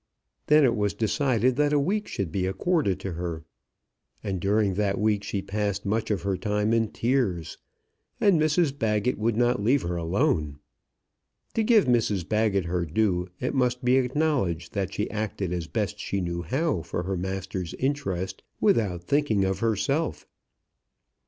Then it was decided that a week should be accorded to her. And during that week she passed much of her time in tears. And Mrs Baggett would not leave her alone. To give Mrs Baggett her due, it must be acknowledged that she acted as best she knew how for her master's interest, without thinking of herself.